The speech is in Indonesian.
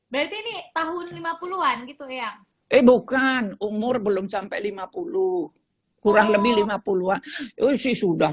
berarti ini tahun lima puluh an gitu ya eh bukan umur belum sampai lima puluh kurang lebih lima puluh an sih sudah